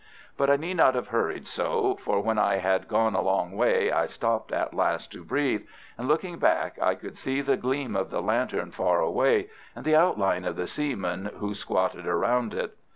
But I need not have hurried so, for when I had gone a long way I stopped at last to breathe, and, looking back, I could still see the gleam of the lantern far away, and the outline of the seamen who squatted round it.